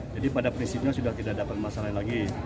jadi pada prinsipnya sudah tidak ada masalah lagi